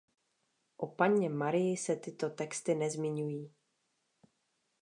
O Panně Marii se tyto texty nezmiňují.